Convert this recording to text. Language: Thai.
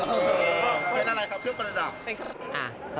เป็นอะไรครับเพิ่งกำลังจะ